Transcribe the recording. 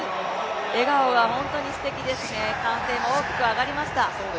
笑顔が本当にすてきですね、歓声も大きく上がりました。